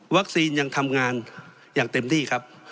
ยังทำงานอย่างเต็มที่ครับ